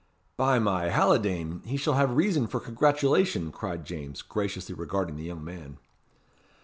"By my halidame! he shall have reason for congratulation," cried James, graciously regarding the young man.